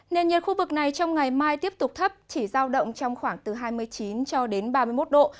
nền nhiệt khu vực này trong ngày mai tiếp tục thấp chỉ giao động trong khoảng từ hai mươi chín cho đến ba mươi một độ